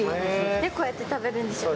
で、こうやって食べるんでしょ。